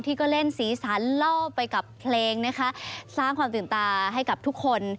ที่เล่นสีสันเล่าไปกับเพลงสร้างความตื่นตาให้ทุกคน